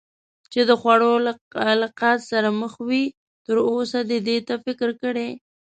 چې د خوړو له قحط سره مخ وي، تراوسه دې دې ته فکر کړی؟